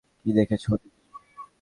এ কী দেখছি?